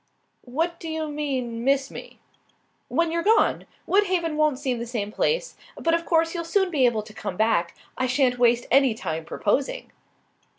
"What do you mean, miss me?" "When you're gone. Woodhaven won't seem the same place. But of course you'll soon be able to come back. I sha'n't waste any time proposing."